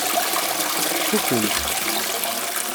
Fuken-t.